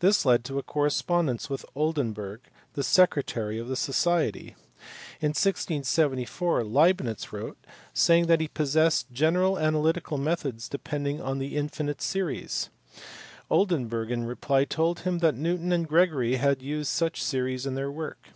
This led to a correspondence with Oldenburg, the secretary of the Society. In 1674 Leibnitz wrote saying o2cS THE LIFE AND WORKS OF NEWTON. that he possessed " general analytical methods depending on infinite series." Oldenburg in reply told him that Newton and Gregory had used such series in their work.